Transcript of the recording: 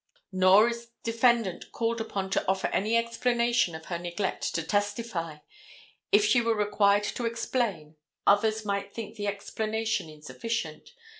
Nor is defendant called upon to offer any explanation of her neglect to testify. If she were required to explain, others might think the explanation insufficient.